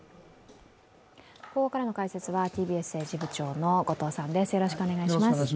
ここからの解説はＴＢＳ政治部長の後藤さんです。